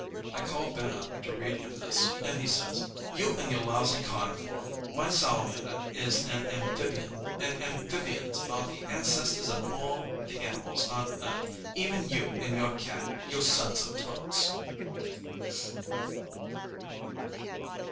'" I call Ben up to read him this, and he says, "You and your lousy carnivore! My salamander is an amphibian, and amphibians are the ancestors of all the animals on earth, even you and your Cat, you sons of toads!"